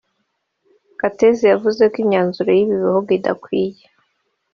Katz yavuze ko iyi myanzuro y’ibi bihugu idakwiye